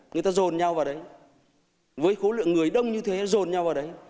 người ta rồn nhau vào đấy với khối lượng người đông như thế rồn nhau vào đấy